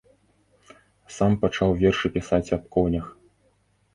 Сам пачаў вершы пісаць аб конях.